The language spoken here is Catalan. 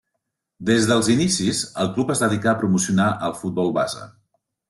Des dels inicis el club es dedicà a promocionar el futbol base.